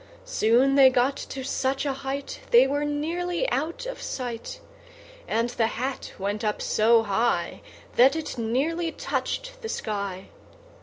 Soon they got to such a height, They were nearly out of sight. And the hat went up so high, That it nearly touched the sky.